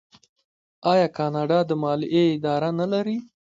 آیا کاناډا د مالیې اداره نلري؟